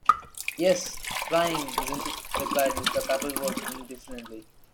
“Yes; prime, isn’t it?” replied Mr. Pappleworth indifferently.